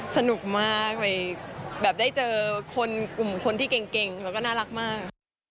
สนุกมากแบบได้เจอคนที่เก่งแล้วก็น่ารักมาก